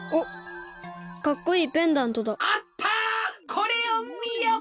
これをみよ！